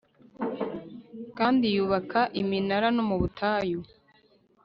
kandi yubaka iminara no mu butayu